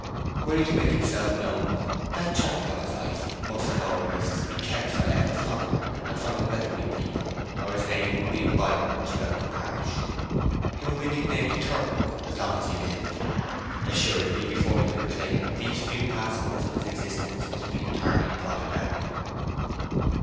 Were he to make himself known, that chapter of his life must at all risks be kept for ever from her and from the Weatherbury people, or his name would be a byword throughout the parish. He would be nicknamed "Turpin" as long as he lived. Assuredly before he could claim her these few past months of his existence must be entirely blotted out.